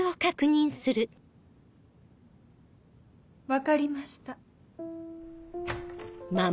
分かりました。